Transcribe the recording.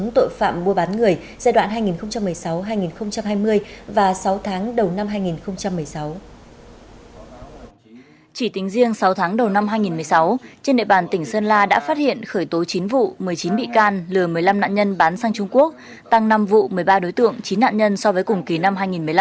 trên địa bàn tỉnh sơn la đã phát hiện khởi tố chín vụ một mươi chín bị can lừa một mươi năm nạn nhân bán sang trung quốc tăng năm vụ một mươi ba đối tượng chín nạn nhân so với cùng kỳ năm hai nghìn một mươi năm